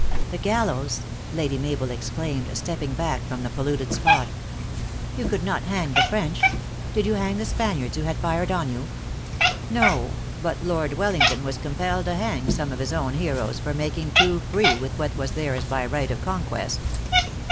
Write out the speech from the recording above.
"The gallows!" Lady Mabel exclaimed, stepping back from the polluted spot. " You could not hang the French. Did you hang the Spaniards who had fired on you." " No ; but Lord Wellington was compelled to hang some of his own heroes for making too free with what was theirs by right of conquest."